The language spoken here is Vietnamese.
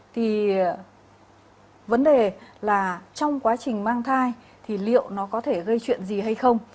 thì vấn đề là trong quá trình mang thai thì liệu nó có thể gây chuyện gì hay không